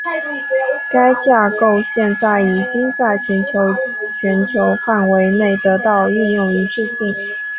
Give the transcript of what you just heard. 该架构现在已经在全球全球范围内得到应用一致性。